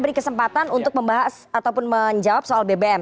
tidak ada kesempatan untuk membahas ataupun menjawab soal bbm